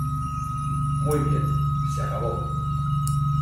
¡ Muy bien, se acabó!